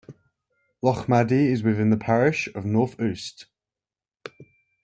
Lochmaddy is within the parish of North Uist.